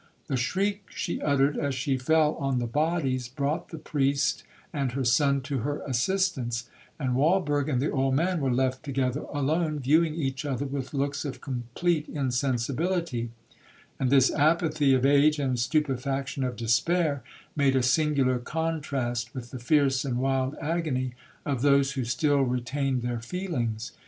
The shriek she uttered, as she fell on the bodies, brought the priest and her son to her assistance, and Walberg and the old man were left together alone, viewing each other with looks of complete insensibility; and this apathy of age, and stupefaction of despair, made a singular contrast with the fierce and wild agony of those who still retained their feelings.